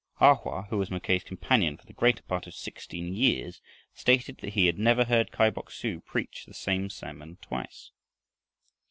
A Hoa, who was Mackay's companion for the greater part of sixteen years, stated that he had never heard Kai Bok su preach the same sermon twice.